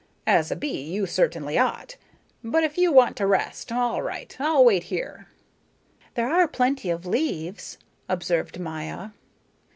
As a bee you certainly ought. But if you want to rest, all right. I'll wait here." "There are plenty of leaves," observed Maya.